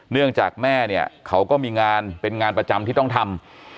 เนื่องจากแม่เนี่ยเขาก็มีงานเป็นงานประจำที่ต้องทำ